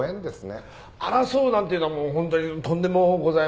争うなんてのはもうホントにとんでもございません。